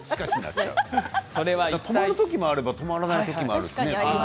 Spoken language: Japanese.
止まる時もあれば止まらない時もありますよね。